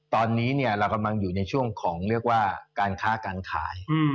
ตอนนี้เรากำลังอยู่ในช่วงของเรียกว่าการค้าการขาย